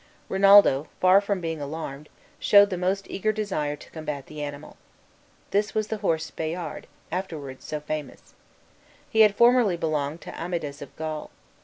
Rinaldo, far from being alarmed, showed the most eager desire to combat the animal. This was the horse Bayard, afterward so famous. He had formerly belonged to Amadis of Gaul.